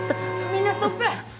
みんなストップ！